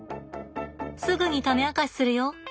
すぐに種明かしするよ。